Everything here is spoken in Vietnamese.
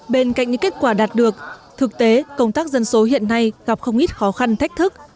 bên cạnh những kết quả đạt được thực tế công tác dân số hiện nay gặp không ít khó khăn thách thức